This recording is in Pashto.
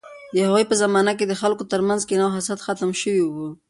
د هغوی په زمانه کې د خلکو ترمنځ کینه او حسد ختم شوی و.